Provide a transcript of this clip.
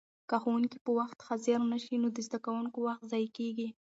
که ښوونکي په وخت حاضر نه شي نو د زده کوونکو وخت ضایع کېږي.